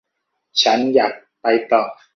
ฉันอยากไปต่อ